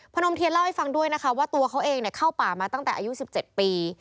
นมเทียนเล่าให้ฟังด้วยนะคะว่าตัวเขาเองเข้าป่ามาตั้งแต่อายุ๑๗ปี